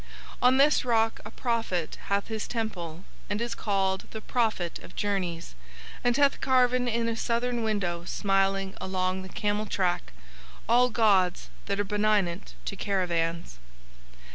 On this rock a prophet hath his Temple and is called the Prophet of Journeys, and hath carven in a southern window smiling along the camel track all gods that are benignant to caravans.